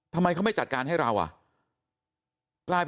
ทำไมเขาไม่จัดการให้เราอ่ะ